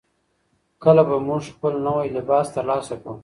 کله به موږ خپل نوی لباس ترلاسه کړو؟